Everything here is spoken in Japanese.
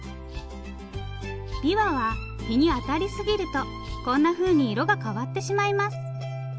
びわは日に当たりすぎるとこんなふうに色が変わってしまいます。